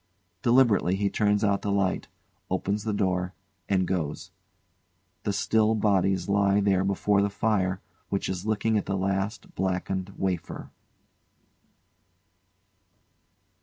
] [Deliberately he turns out the light, opens the door, and goes.] [The still bodies lie there before the fire which is licking at the last blackened wafer.